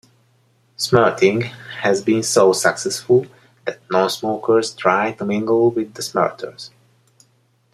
Smirting has been so successful that non-smokers try to mingle with the smirters.